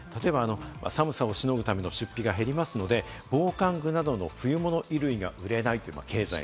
寒さをしのぐための出費が減りますので、防寒具などの冬物衣類が売れない。